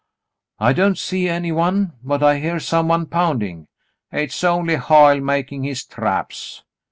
"I don't see any one, but I hear some one pounding.'* "Hit's only Hoyle makin' his traps."